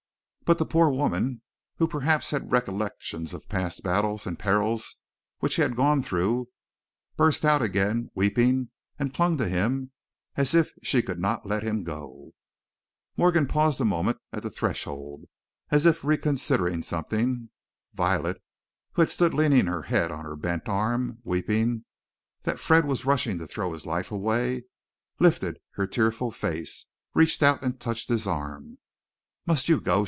But the poor woman, who perhaps had recollections of past battles and perils which he had gone through, burst out again, weeping, and clung to him as if she could not let him go. Morgan paused a moment at the threshold, as if reconsidering something. Violet, who had stood leaning her head on her bent arm, weeping that Fred was rushing to throw his life away, lifted her tearful face, reached out and touched his arm. "Must you go?"